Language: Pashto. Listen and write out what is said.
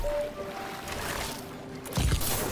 له دریمه چي بېغمه دوه یاران سول `